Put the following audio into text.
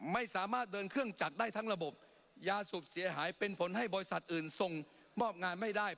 ไม่สามารถเดินเครื่องจักรได้ทั้งระบบยาสูบเสียหายเป็นผลให้บริษัทอื่นส่งมอบงานไม่ได้